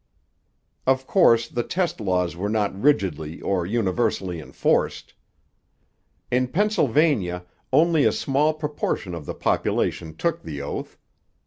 Of course, the test laws were not rigidly or universally enforced. In Pennsylvania only a small proportion of the population took the oath.